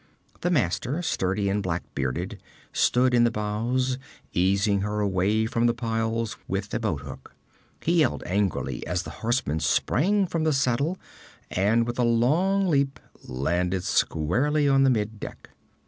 The master, sturdy and black bearded, stood in the bows, easing her away from the piles with a boat hook. He yelled angrily as the horseman sprang from the saddle and with a long leap landed squarely on the mid deck.